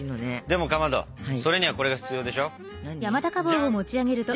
でもかまどそれにはこれが必要でしょ？じゃん！